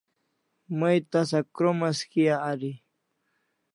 May tasa kromas kia ari?